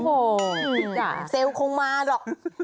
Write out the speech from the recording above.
โอ้โหเซลล์คงมาหรอก